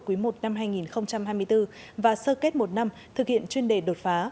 quý i năm hai nghìn hai mươi bốn và sơ kết một năm thực hiện chuyên đề đột phá